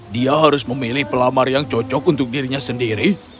dia harus memilih pelamar yang cocok untuk dirinya sendiri